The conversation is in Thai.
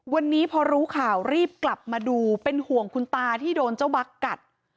วันนี้พอรู้ข่าวรีบกลับมาดูเป็นห่วงคุณตาที่โดนเจ้าบั๊กกัด